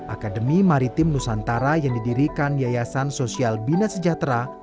akademi maritim nusantara yang didirikan yayasan sosial bina sejahtera